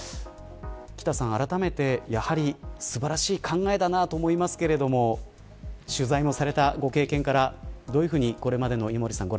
あらためて素晴らしい考えだなと思いますけれど取材もされた、ご経験からどういうふうにこれまでの稲盛さんを